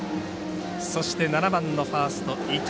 そして、７番のファースト伊藤。